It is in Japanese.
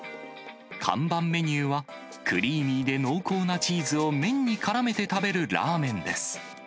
看板メニューは、クリーミーで濃厚なチーズを麺にからめて食べるラーメンです。